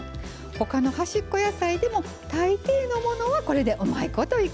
他の端っこ野菜でも大抵のものはこれでうまいこといけますよ。